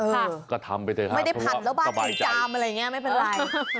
เออก็ทำไปเลยครับไม่ได้ผ่านแล้วบ้านกินกามอะไรอย่างเงี้ยไม่เป็นไร